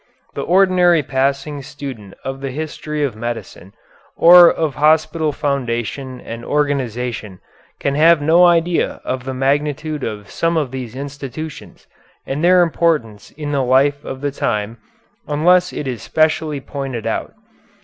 The ordinary passing student of the history of medicine or of hospital foundation and organization, can have no idea of the magnitude of some of these institutions, and their importance in the life of the time, unless it is especially pointed out.